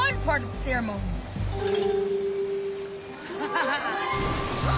ハハハッ。